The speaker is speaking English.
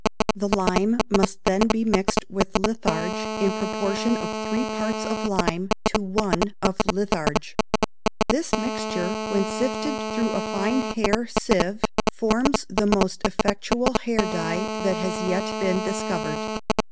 The lime must then be mixed with litharge in the proportion of three parts of lime to one of litharge. This mixture, when sifted through a fine hair sieve, forms the most effectual hair dye that has yet been discovered.